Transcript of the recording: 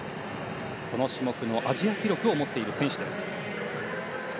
この種目のアジア記録を持っている選手です。